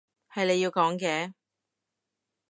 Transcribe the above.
係你要講嘅